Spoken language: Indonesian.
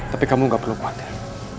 tapi kamu gak perlu pakai